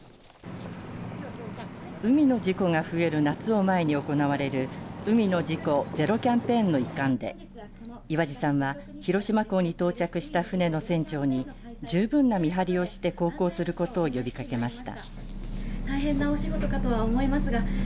海の事故が増える夏を前に行われる海の事故ゼロキャンペーンの一環で岩地さんは広島港に到着した船の船長に十分な見張りをして航行することを呼びかけました。